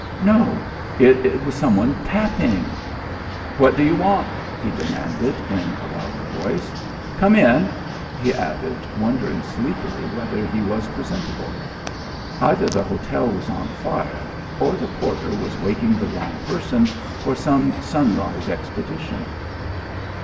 No, it was somebody tapping. "What do you want?" he demanded in a louder voice. "Come in," he added, wondering sleepily whether he was presentable. Either the hotel was on fire or the porter was waking the wrong person for some sunrise expedition.